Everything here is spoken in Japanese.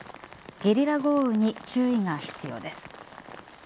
ゲリラ豪雨に注意が必要です。